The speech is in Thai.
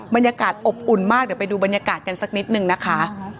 บรรยากาศอบอุ่นมากเดี๋ยวไปดูบรรยากาศกันสักนิดนึงนะคะ